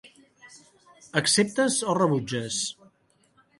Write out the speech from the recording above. Acceptes o rebutges?